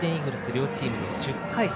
両チームの１０回戦。